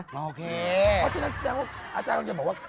เพราะฉะนั้นอาจารย์ก็จะบอกว่า